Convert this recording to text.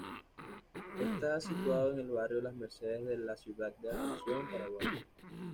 Está situado en el barrio Las Mercedes de la ciudad de Asunción, Paraguay.